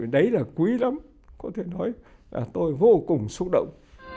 đấy là quý lắm có thể nói tôi vô cùng xúc động